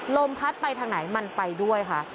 ลมพัดไปทางไหนมันไปด้วยค่ะ